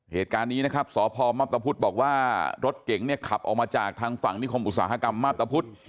เหตุการณ์นี้นะครับสพมับตะพุทธบอกว่ารถเก๋งเนี่ยขับออกมาจากทางฝั่งนิคมอุตสาหกรรมมาพตะพุทธ